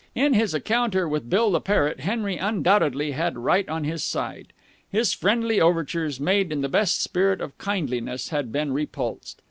In his encounter with Bill the parrot, Henry undoubtedly had right on his side. His friendly overtures, made in the best spirit of kindliness, had been repulsed.